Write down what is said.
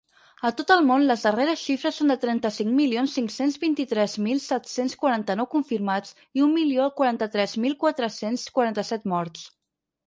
A tot el món, les darreres xifres són de trenta-cinc milions cinc-cents vint-i-tres mil set-cents quaranta-nou confirmats i un milió quaranta-tres mil quatre-cents quaranta-set morts.